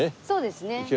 そうですね。